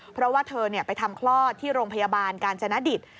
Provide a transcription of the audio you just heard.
เพราะว่าเธอไปทำคลอดที่โรงพยาบาลกาญจนดิต